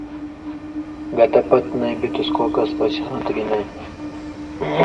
گتہ پتہۡ نَیں بِتُس کو کس پشہاں تھہ گی نَیں